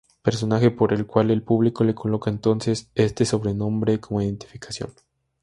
Personaje por el cual el público le coloca entonces este sobrenombre, como identificación.